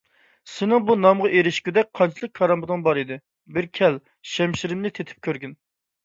سېنىڭ بۇ نامغا ئېرىشكۈدەك قانچىلىك كارامىتىڭ بـار ئىـدى؟ بېـرى كـەل، شەمـشىـرىمـنى تېتىپ كۆرگىن!